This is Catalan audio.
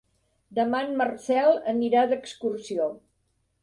Demà en Marcel anirà d'excursió.